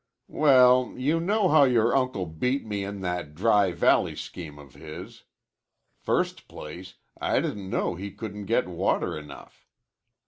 "Well, you know how yore uncle beat me in that Dry Valley scheme of his. First place, I didn't know he couldn't get water enough.